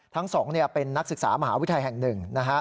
ทั้ง๒เป็นนักศึกษามหาวิทยาลัยแห่ง๑